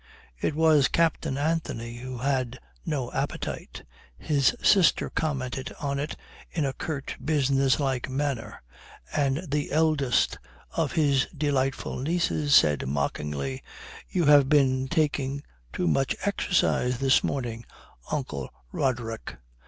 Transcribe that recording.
It was Captain Anthony who had no appetite. His sister commented on it in a curt, businesslike manner, and the eldest of his delightful nieces said mockingly: "You have been taking too much exercise this morning, Uncle Roderick."